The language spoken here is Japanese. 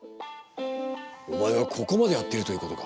お前はここまでやっているということか。